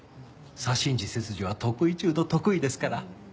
左心耳切除は得意中の得意ですから。